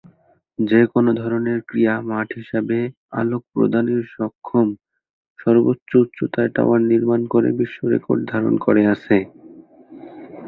যে-কোন ধরনের ক্রীড়া মাঠ হিসেবে আলোক প্রদানে সক্ষম সর্বোচ্চ উচ্চতার টাওয়ার নির্মাণ করে বিশ্বরেকর্ড ধারণ করে আছে।